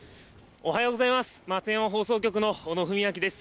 おはようございます。